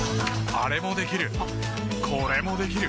あれもできるこれもできる。